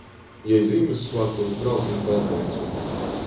Jei Zīmyssvātkūs brauc iz bazneicu.